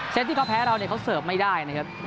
ที่เขาแพ้เราเนี่ยเขาเสิร์ฟไม่ได้นะครับ